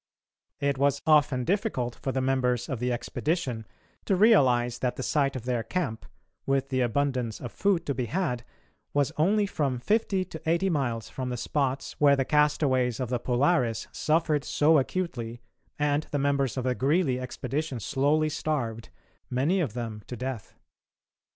It was often difficult for the members of the expedition to realise that the site of their camp, with the abundance of food to be had, was only from fifty to eighty miles from the spots where the castaways of the Polaris suffered so acutely and the members of the Greely expedition slowly starved, many of them to death.